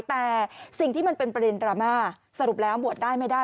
แต่สิ่งที่มันเป็นประเด็นดราม่าสรุปแล้วบวชได้ไม่ได้